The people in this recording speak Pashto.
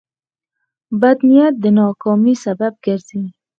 بد نیت د ناکامۍ سبب ګرځي.